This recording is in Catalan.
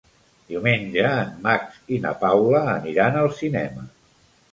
Diumenge en Max i na Paula aniran al cinema.